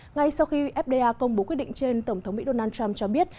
ngay sau khi fda công bố quyết định trên tổng thống mỹ donald trump cho biết